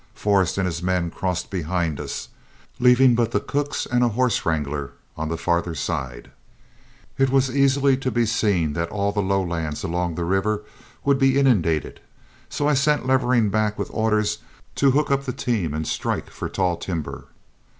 Forrest and his men crossed behind us, leaving but the cooks and a horse wrangler on the farther side. It was easily to be seen that all the lowlands along the river would be inundated, so I sent Levering back with orders to hook up the team and strike for tall timber.